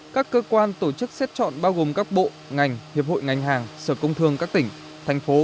các cơ quan tổ chức xét chọn bao gồm các bộ ngành hiệp hội ngành hàng sở công thương các tỉnh thành phố